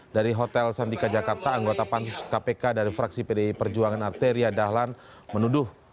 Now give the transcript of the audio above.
dari hotel sandika jakarta anggota pansus kpk dari fraksi pdi perjuangan arteria dahlan menuduh